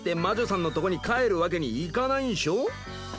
魔女さんのとこに帰るわけにいかないんしょ？